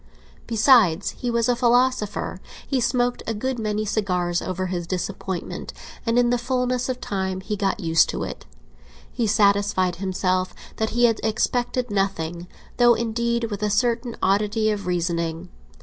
Besides, he was a philosopher; he smoked a good many cigars over his disappointment, and in the fulness of time he got used to it. He satisfied himself that he had expected nothing, though, indeed, with a certain oddity of reasoning.